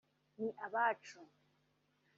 ni abacu